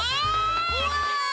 うわ！